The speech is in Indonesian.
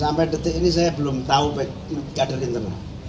sampai detik ini saya belum tahu kader internal